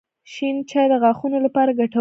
• شین چای د غاښونو لپاره ګټور دی.